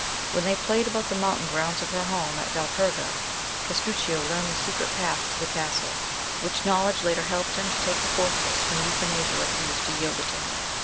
When they played about the mountain grounds of her home at Valperga, Castruccio learnt the secret paths to the Castle, which knowledge later helped him to take the fortress when Euthanasia refused to yield it to him.